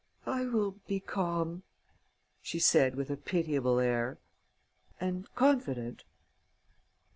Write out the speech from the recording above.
"I will be calm," she said, with a pitiable air. "And confident?"